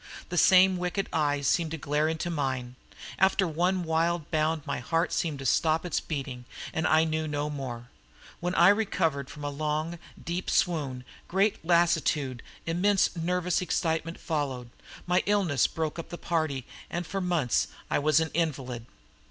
The same wicked eyes seemed to glare into mine. After one wild bound my heart seemed to stop its beating, and I knew no more. When I recovered from a long, deep swoon, great lassitude and intense nervous excitement followed; my illness broke up the party, and for months I was an invalid.